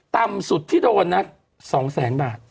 ต่ำสุดที่โดนน่ะบ้าง๒๐๐๐๐๐บาท